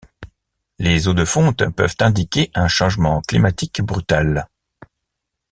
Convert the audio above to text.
Les eaux de fonte peuvent indiquer un changement climatique brutal.